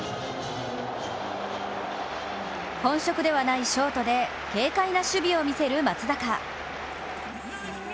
本職ではないショートで軽快な守備を見せる松坂。